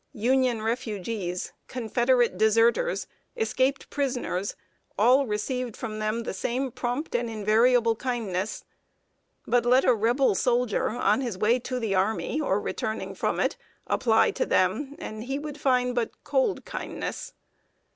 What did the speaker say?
Union refugees, Confederate deserters, escaped prisoners all received from them the same prompt and invariable kindness. But let a Rebel soldier, on his way to the army, or returning from it, apply to them, and he would find but cold kindness.